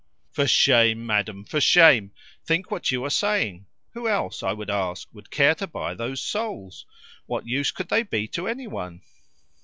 "For shame, madam! For shame! Think what you are saying. Who else, I would ask, would care to buy those souls? What use could they be to any one?"